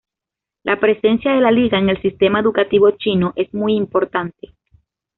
La presencia de la Liga en el sistema educativo chino es muy importante.